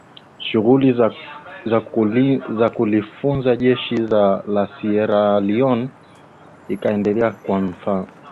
Shughuli za kulifunda jeshi la Sierra Leon ikaendelea kwa mafanikio